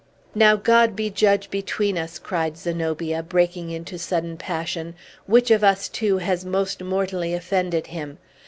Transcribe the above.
"Now, God be judge between us," cried Zenobia, breaking into sudden passion, "which of us two has most mortally offended Him!